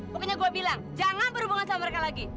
pokoknya gue bilang jangan berhubungan sama mereka lagi